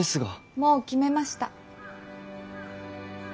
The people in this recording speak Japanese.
もう決めました。